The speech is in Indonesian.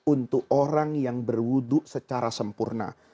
untuk orang yang berwudhu secara sempurna